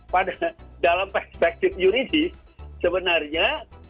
pada dalam perspektif yuridis sebenarnya